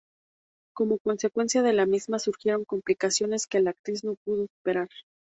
Como consecuencia de la misma surgieron complicaciones que la actriz no pudo superar.